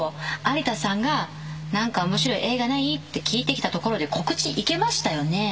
有田さんが「何か面白い映画ない？」って聞いてきたところで告知いけましたよね？